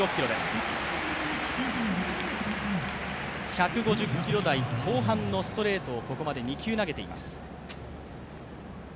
１５０キロ台後半のストレートをここまで２球投げています。